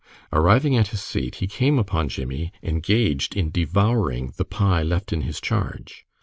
Arriving at his seat, he came upon Jimmie engaged in devouring the pie left in his charge.